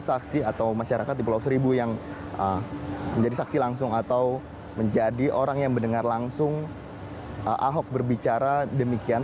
saksi atau masyarakat di pulau seribu yang menjadi saksi langsung atau menjadi orang yang mendengar langsung ahok berbicara demikian